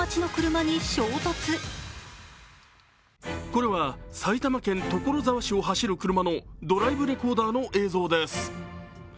これは埼玉県所沢市を走る車のドライブレコーダーの映像です。